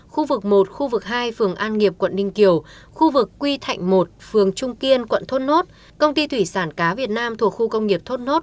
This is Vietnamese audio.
khu vực một khu vực hai phường an nghiệp quận ninh kiều khu vực quy thạnh một phường trung kiên quận thốt nốt công ty thủy sản cá việt nam thuộc khu công nghiệp thốt nốt